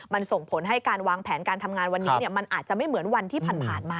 มันส่งผลให้การวางแผนการทำงานวันนี้มันอาจจะไม่เหมือนวันที่ผ่านมา